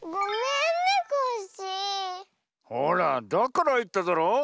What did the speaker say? ほらだからいっただろ。